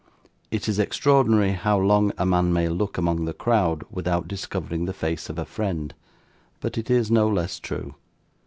It is extraordinary how long a man may look among the crowd without discovering the face of a friend, but it is no less true.